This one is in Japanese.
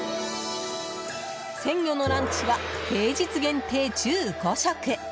鮮魚のランチは平日限定１５食。